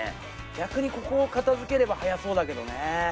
逆にここを片づければ早そうだけどね。